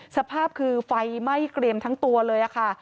สภาพคือไฟไหม้เกรียมทั้งตัวเลยค่ะ